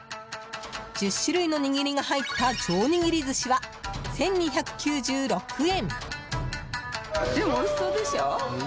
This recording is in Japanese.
１０種類の握りが入った上握り寿司は１２９６円。